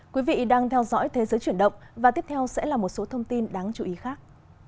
quý vị đang theo dõi thế giới chuyển động và tiếp theo sẽ là một số thông tin đáng chú ý khác